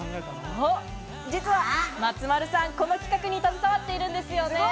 実は松丸さん、この企画に携わっているんですよね。